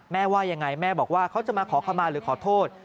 ว่ายังไงแม่บอกว่าเขาจะมาขอขมาหรือขอโทษ